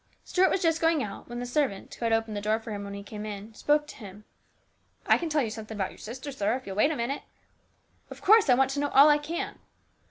Stuart was just going out when the servant, who had opened the door for him when he came in, spoke to him. " I can tell you something about your sister, sir, if you will wait a minute." " Of course I want to know all I can."